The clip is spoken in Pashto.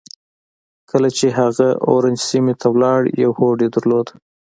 کله چې هغه اورنج سيمې ته ولاړ يو هوډ يې درلود.